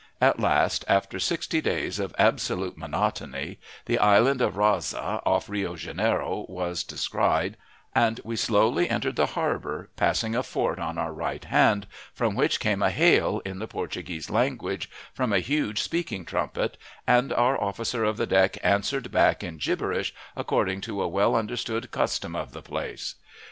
At last, after sixty days of absolute monotony, the island of Raza, off Rio Janeiro, was descried, and we slowly entered the harbor, passing a fort on our right hand, from which came a hail, in the Portuguese language, from a huge speaking trumpet, and our officer of the deck answered back in gibberish, according to a well understood custom of the place.